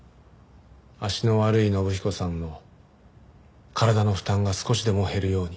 足の悪い信彦さんの体の負担が少しでも減るように。